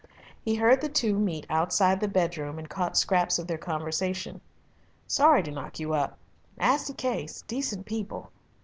He heard the two meet outside the bed room, and caught scraps of their conversation. "Sorry to knock you up nasty case decent people."